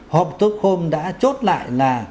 họp tước hôm đã chốt lại là